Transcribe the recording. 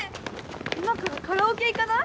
今からカラオケ行かない？